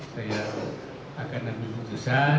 saya akan nanti keputusan